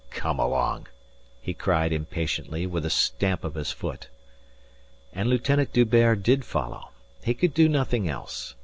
"Come along," he cried impatiently, with a stamp of his foot. And Lieutenant D'Hubert did follow. He could do nothing else.